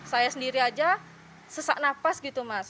saya sendiri aja sesak nafas gitu mas